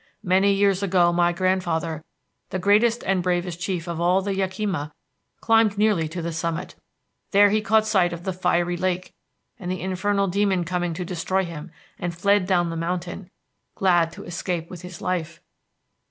"Many years ago my grandfather, the greatest and bravest chief of all the Yakima, climbed nearly to the summit. There he caught sight of the fiery lake and the infernal demon coming to destroy him, and fled down the mountain, glad to escape with his life.